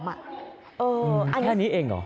เท่านี้เองหรอ